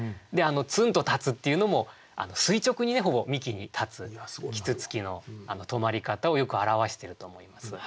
「つんと立つ」っていうのも垂直にねほぼ幹に立つ啄木鳥の止まり方をよく表してると思います。